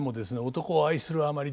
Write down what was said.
男を愛するあまり